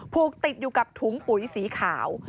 ผูกติดอยู่กับถุงปุ๋ยสีขาว